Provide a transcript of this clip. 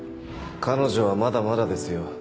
彼女はまだまだですよ